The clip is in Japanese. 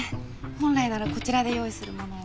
本来ならこちらで用意するものを。